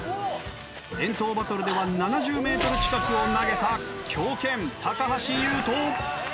遠投バトルでは７０メートル近くを投げた強肩橋優斗！